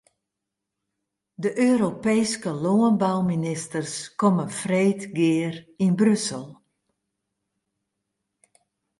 De Europeeske lânbouministers komme freed gear yn Brussel.